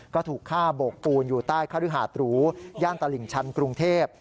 ก็ถูกฆ่าโบกปูนอยู่ใต้คฤหาดหรูย่านตลิ่งชันกรุงเทพ